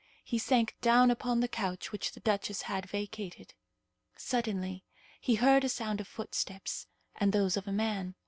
He sank down upon the couch which the duchess had vacated. Suddenly he heard a sound of footsteps, and those of a man.